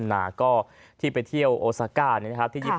เนื่องจากว่าอยู่ระหว่างการรวมพญาหลักฐานนั่นเองครับ